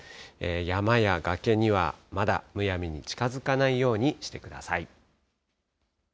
山や崖にはまだむやみに近づかないようにしてください。